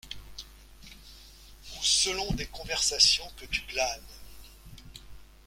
Ou selon des conversations que tu glanes.